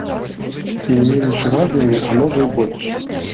І не менш важнымі, а можа і больш.